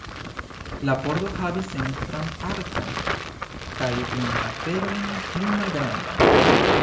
La pordo havis centran arkon kaj du laterojn pli malgrandajn.